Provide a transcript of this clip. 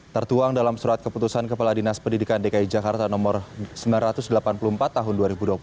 tertuang dalam surat keputusan kepala dinas pendidikan dki jakarta nomor sembilan ratus delapan puluh empat tahun dua ribu dua puluh satu